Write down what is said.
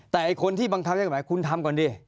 แต่คนที่บังคับใช้กฎหมายคุณทำก่อนดิ